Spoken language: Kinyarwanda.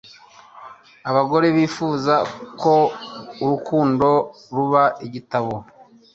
Abagore bifuza ko urukundo ruba igitabo.